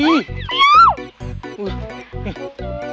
ไม่เอา